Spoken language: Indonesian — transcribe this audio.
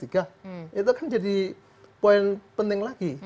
itu kan jadi poin penting lagi